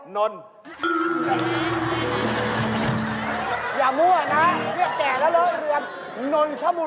ฮะ